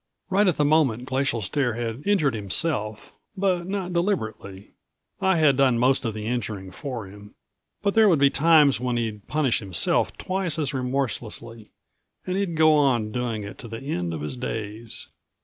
Right at the moment Glacial Stare had injured himself, but not deliberately. I had done most of the injuring for him. But there would be times when he'd punish himself twice as remorselessly, and he'd go on doing it to the end of his days.